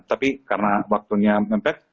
tapi karena waktunya mempet